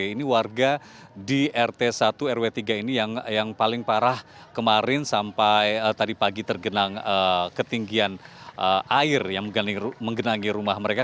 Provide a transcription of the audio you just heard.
ini warga di rt satu rw tiga ini yang paling parah kemarin sampai tadi pagi tergenang ketinggian air yang menggenangi rumah mereka